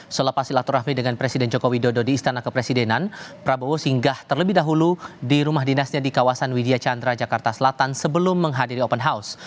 selepas silaturahmi dengan presiden joko widodo di istana kepresidenan prabowo singgah terlebih dahulu di rumah dinasnya di kawasan widya chandra jakarta selatan sebelum menghadiri open house